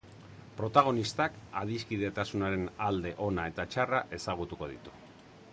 Protagonistak adiskidetasunaren alde ona eta txarra ezagutuko ditu.